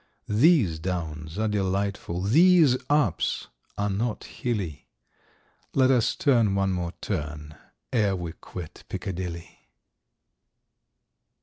These downs are delightful, these ups are not hilly,— Let us turn one more turn ere we quit Piccadilly!